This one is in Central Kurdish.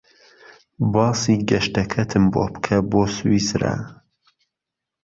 باسی گەشتەکەتم بۆ بکە بۆ سویسرا.